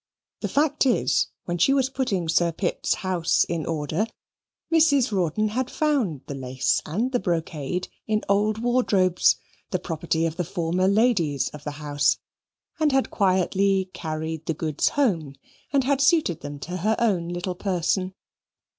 The fact is, when she was putting Sir Pitt's house in order, Mrs. Rawdon had found the lace and the brocade in old wardrobes, the property of the former ladies of the house, and had quietly carried the goods home, and had suited them to her own little person.